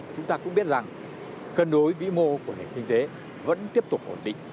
chúng ta cũng biết rằng cân đối vĩ mô của nền kinh tế vẫn tiếp tục ổn định